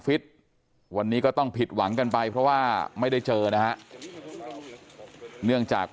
ฟิตวันนี้ก็ต้องผิดหวังกันไปเพราะว่าไม่ได้เจอนะฮะเนื่องจาก